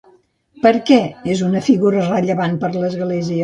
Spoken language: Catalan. Per què és una figura rellevant per l'Església?